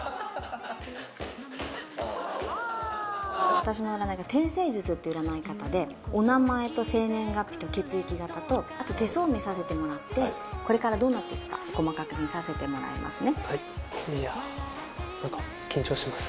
私の占いが天星術っていう占い方でお名前と生年月日と血液型とあと手相見させてもらってこれからどうなっていくか細かく見させてもらいますね。